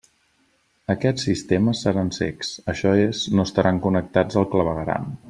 Aquests sistemes seran cecs, això és, no estaran connectats al clavegueram.